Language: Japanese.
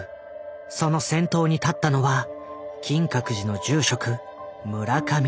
その先頭に立ったのは金閣寺の住職村上慈海だった。